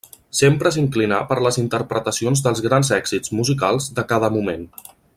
Sempre s'inclinà per les interpretacions dels grans èxits musicals de cada moment.